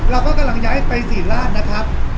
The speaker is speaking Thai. เราก็กำลังย้ายไปศรีราชนะครับ